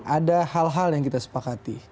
ada hal hal yang kita sepakati